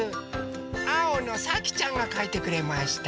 あおのさきちゃんがかいてくれました。